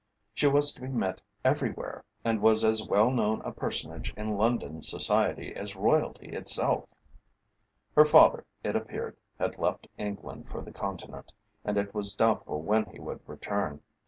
She was to be met everywhere, and was as well known a personage in London Society as Royalty itself. Her father, it appeared, had left England for the Continent, and it was doubtful when he would return.